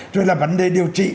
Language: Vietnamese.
rồi là vấn đề điều trị